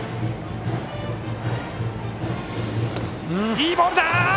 いいボールだ！